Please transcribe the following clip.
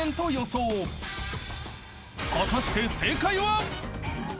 ［果たして正解は？］